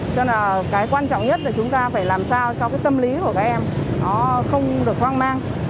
cho nên cái quan trọng nhất là chúng ta phải làm sao cho cái tâm lý của các em nó không được hoang mang